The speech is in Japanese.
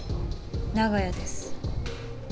長屋です。